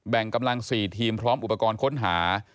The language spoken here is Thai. กำลัง๔ทีมพร้อมอุปกรณ์ค้นหา